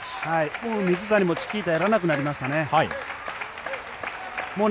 もう水谷もチキータやらなくなりましたね。